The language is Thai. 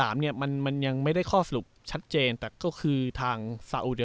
เพียงแพงกว่าค่าซื้อสโมสร